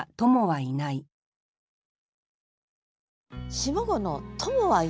下五の「友はいない」。